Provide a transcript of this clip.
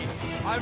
あ！